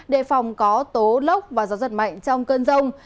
đề phòng có tố lốc và gió giật mạnh trong cơn rông